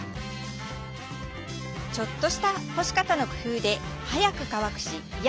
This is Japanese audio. ちょっとした干し方の工夫で早く乾くしいや